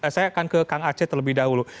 saya akan ke kang aceh terlebih dahulu